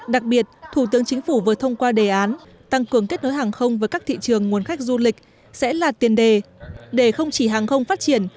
đặc biệt thủ tướng chính phủ vừa thông qua đề án tăng cường kết nối hàng không với các thị trường nguồn khách du lịch sẽ là tiền đề để không chỉ hàng không phát triển